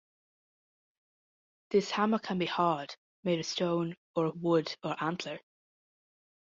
This hammer can be hard made of stone or of wood or antler.